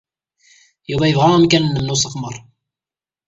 Yuba yebɣa amkan-nnem n usseɣmer.